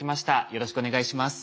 よろしくお願いします。